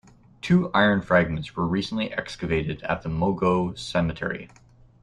Two iron fragments were recently excavated at the Mogou cemetery.